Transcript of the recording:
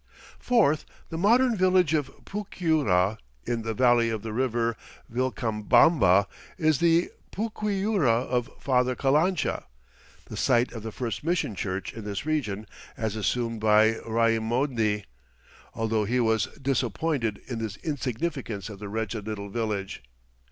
Fourth, the modern village of Pucyura in the valley of the river Vilcabamba is the Puquiura of Father Calancha, the site of the first mission church in this region, as assumed by Raimondi, although he was disappointed in the insignificance of the "wretched little village."